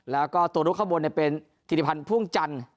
แล้วก็ตัวลุกข้างบนเป็นธิริพันธ์พ่วงจันทร์